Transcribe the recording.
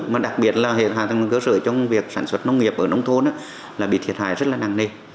mà đặc biệt là hệ hạ tầng cơ sở trong việc sản xuất nông nghiệp ở nông thôn là bị thiệt hại rất là nặng nề